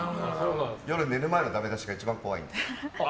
夜、寝る前のダメ出しが一番怖い。